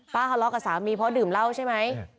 ทะเลาะกับสามีเพราะดื่มเหล้าใช่ไหม